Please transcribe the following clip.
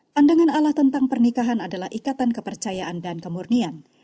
pandangan allah tentang pernikahan adalah ikatan kepercayaan dan kemurnian